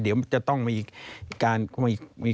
เดี๋ยวจะต้องมี